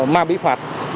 mà bị phạt